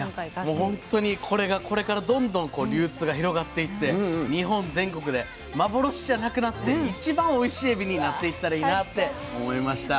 もうほんとにこれがこれからどんどん流通が広がっていって日本全国で幻じゃなくなって一番おいしいエビになっていったらいいなって思いました。